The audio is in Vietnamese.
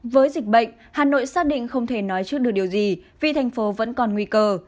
với dịch bệnh hà nội xác định không thể nói trước được điều gì vì thành phố vẫn còn nguy cơ